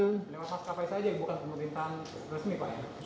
dengan maskapai saja bukan pemerintahan resmi pak